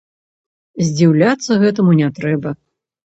Здзіўляцца гэтаму не трэба.